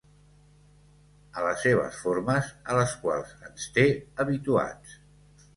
A les seves formes a les quals ens té habituats.